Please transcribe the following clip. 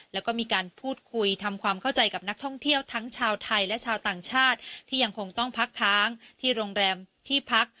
แล้วก็มีการพูดคุยทำความเข้าใจกับนักท่องเที่ยวทั้งชาวไทยและชาวต่างชาติที่ยังคงต้องพักค้างที่โรงแรมที่พัก